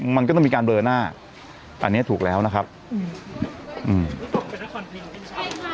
มันก็ต้องมีการเบลอหน้าอันเนี้ยถูกแล้วนะครับอืม